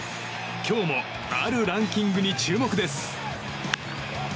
今日もあるランキングに注目です。